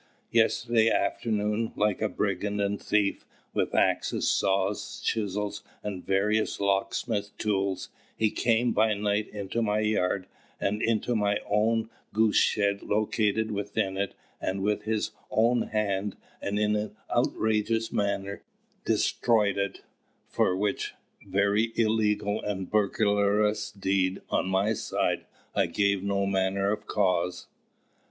Yesterday afternoon, like a brigand and thief, with axes, saws, chisels, and various locksmith's tools, he came by night into my yard and into my own goose shed located within it, and with his own hand, and in outrageous manner, destroyed it; for which very illegal and burglarious deed on my side I gave no manner of cause.